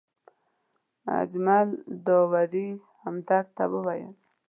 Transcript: اجمل داوري همدرد ته وویل.